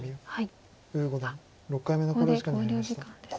呉五段６回目の考慮時間に入りました。